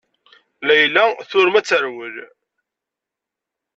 Layla turem ad terwel.